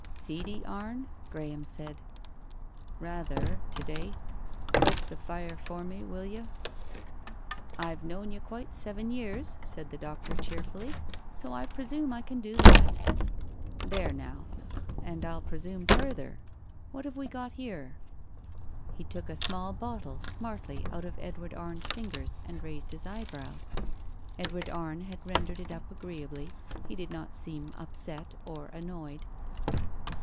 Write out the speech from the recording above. "Seedy, Arne?" Graham said. "Rather, to day. Poke the fire for me, will you?" "I've known you quite seven years," said the doctor cheerfully, "so I presume I can do that. ... There, now 1 ... And I'll presume further What have we got here ?" He took a small bottle smartly out of Edward Arne's fingers and raised his eyebrows. Edward Arne had rendered it up agreeably; he did not seem upset or annoyed.